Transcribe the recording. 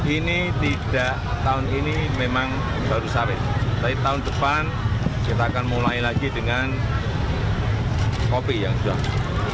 ini tidak tahun ini memang baru sawit tapi tahun depan kita akan mulai lagi dengan kopi yang sudah